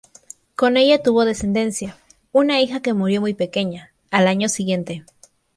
Con ella tuvo descendencia: una hija que murió muy pequeña, al año siguiente.